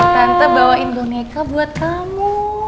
tante bawa indonesia buat kamu